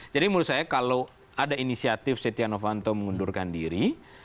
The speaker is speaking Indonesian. jadi menurut saya kalau ada inisiatif setia novanto mengundurkan diri